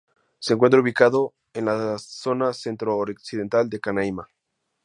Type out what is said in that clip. Se encuentra ubicado en la zona centro-occidental de Canaima.